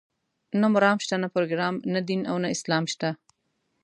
نه مرام شته، نه پروګرام، نه دین او نه اسلام شته.